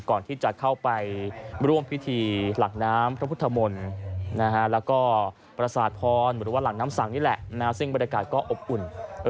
ก่อนที่จะเข้าไปร่วมพิธีหลักน้ำพระพุทธมนต์แล้วก็ประสาทพรหรือว่าหลังน้ำสังนี่แหละซึ่งบรรยากาศก็อบอุ่น